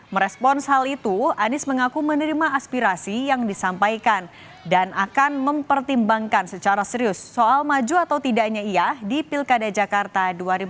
merespons hal itu anies mengaku menerima aspirasi yang disampaikan dan akan mempertimbangkan secara serius soal maju atau tidaknya ia di pilkada jakarta dua ribu delapan belas